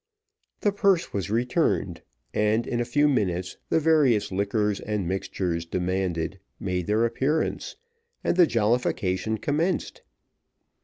The purse was returned, and, in a few minutes, the various liquors and mixtures demanded made their appearance, and the jollification commenced.